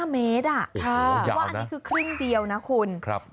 ๑๕เมตรอ่ะค่ะว่าอันนี้คือครึ่งเดียวนะคุณโอ้โหยาวนะ